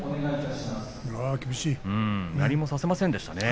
何もさせませんでしたね